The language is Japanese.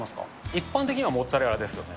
一般的にはモッツァレラですよね。